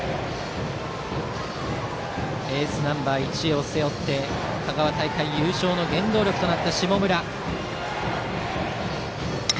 エースナンバー１を背負って、香川大会優勝の原動力となった下村。